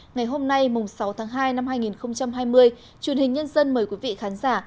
ngày hôm nay sáu tháng hai năm hai nghìn hai mươi truyền hình nhân dân mời quý vị khán giả